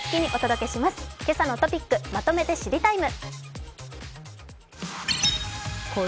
「けさのトピックまとめて知りＴＩＭＥ，」。